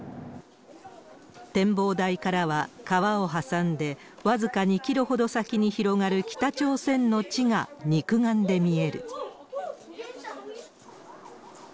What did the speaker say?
展望台からは、川を挟んで僅か２キロほど先に広がる北朝鮮の地が肉眼で見える。